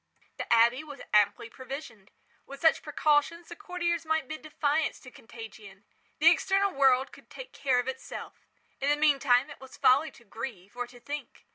The abbey was amply provisioned. With such precautions the courtiers might bid defiance to contagion. The external world could take care of itself. In the meantime it was folly to grieve, or to think.